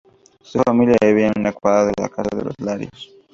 Su familia vivía a una cuadra de la casa de los Larios.